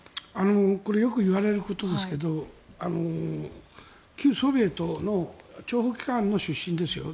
これよく言われることですが旧ソビエトの諜報機関の出身ですよね。